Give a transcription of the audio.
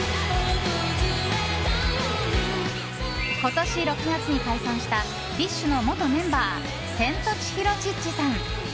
今年６月に解散したＢｉＳＨの元メンバーセントチヒロ・チッチさん。